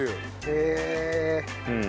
へえ。